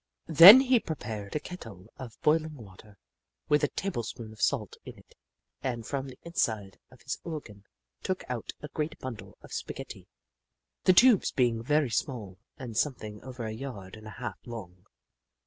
Then he prepared a kettle of boiling water, with a tablespoonful of salt in it, and from the inside of his organ took out a great bundle of spaghetti, the tubes being very small, and something over a yard and a half long.